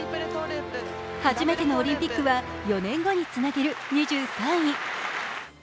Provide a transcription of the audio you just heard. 初めてのオリンピックは４年後につなげる２３位。